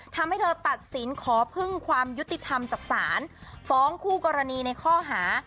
ทำให้เธอตัดสินขอพึ่งความยุติธรรมจากศาลฟ้องคู่กรณีในข้อหา